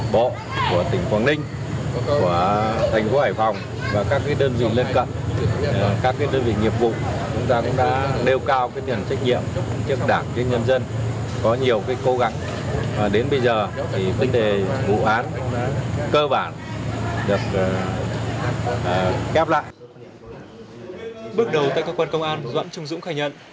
bước đầu tại cơ quan công an doãn trung dũng khai nhận